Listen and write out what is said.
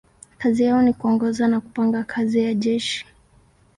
Kazi yao ni kuongoza na kupanga kazi ya jeshi.